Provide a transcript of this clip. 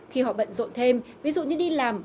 khi họ bận rộn thêm ví dụ như đi làm